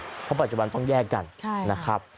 เพราะปัจจุบันต้องแยกกันนะครับ